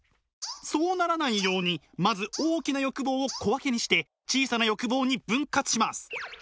そうならないようにまず大きな欲望を小分けにして小さな欲望に分割します。